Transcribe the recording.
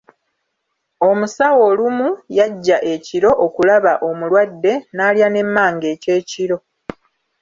Omusawo olumu yajja ekiro okulaba omulwadde, n'alya ne mmange ekyekiro.